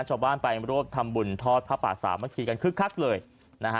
ชาวบ้านไปรวบทำบุญทอดผ้าป่าสามัคคีกันคึกคักเลยนะฮะ